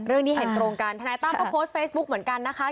เรื่องนี้เห็นตรงกันธนายตั้มก็โพสต์เฟซบุ๊คเหมือนกันนะคะ